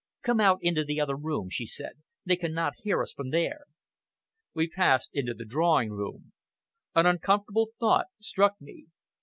"Come out into the other room," she said. "They cannot hear us from there." We passed into the drawing room. An uncomfortable thought struck me.